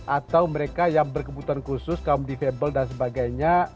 atau mereka yang berkebutuhan khusus kaum difabel dan sebagainya